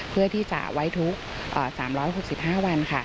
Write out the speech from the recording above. เพื่อที่จะไว้ทุก๓๖๕วัน